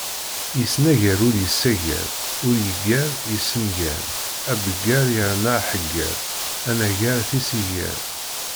Yesnagar ur yessagar, ur yeggar, yessengar, abeggar yerna aḥegger, anagar tisigar.